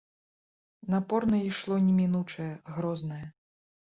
Напорна ішло немінучае, грознае.